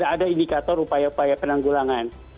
ada indikator upaya upaya penanggulangan